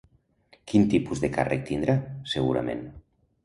Quin tipus de càrrec tindrà, segurament?